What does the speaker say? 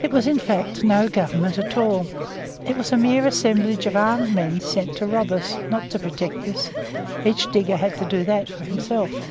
It was, in fact, no Government at all; it was a mere assemblage of armed men sent to rob us, not to protect us; each digger had to do that for himself.